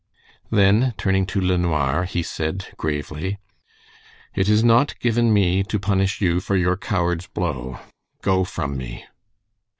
Then turning to LeNoir, he said, gravely: "It is not given me to punish you for your coward's blow. Go from me!"